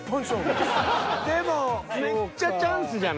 でもめっちゃチャンスじゃない？